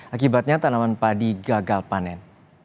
akibatnya tanaman padi gagal panen